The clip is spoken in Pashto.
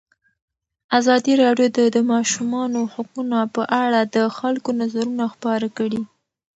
ازادي راډیو د د ماشومانو حقونه په اړه د خلکو نظرونه خپاره کړي.